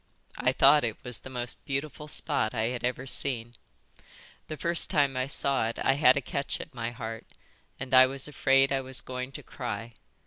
I thought it was the most beautiful spot I had ever seen. The first time I saw it I had a catch at my heart, and I was afraid I was going to cry.